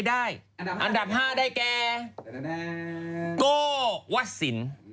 อันดับ๕ได้